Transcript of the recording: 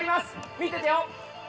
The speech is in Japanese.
見ててよ。